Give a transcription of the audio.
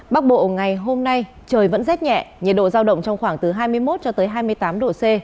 bắc bộ ngày hôm nay trời vẫn rất nhẹ nhiệt độ giao động trong khoảng từ hai mươi một hai mươi tám độ c